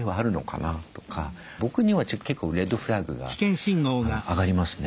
僕には結構レッドフラッグが上がりますね。